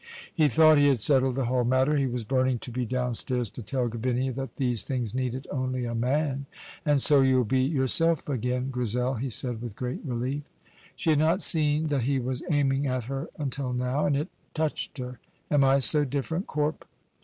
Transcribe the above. He thought he had settled the whole matter. He was burning to be downstairs to tell Gavinia that these things needed only a man. "And so you'll be yoursel' again, Grizel," he said, with great relief. She had not seen that he was aiming at her until now, and it touched her. "Am I so different, Corp?"